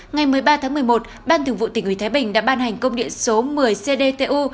ngày một mươi ba tháng một mươi một ban thường vụ tỉnh ủy thái bình đã ban hành công điện số một mươi cdtu